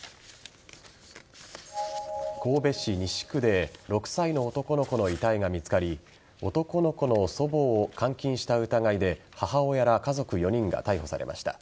神戸市西区で６歳の男の子の遺体が見つかり男の子の祖母を監禁した疑いで母親ら家族４人が逮捕されました。